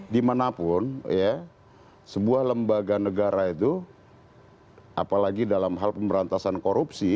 dimanapun ya sebuah lembaga negara itu apalagi dalam hal pemberantasan korupsi